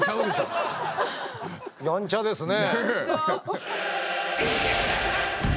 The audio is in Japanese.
やんちゃですね。